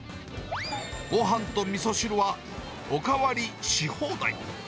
ごはんとみそ汁は、お代わりし放題。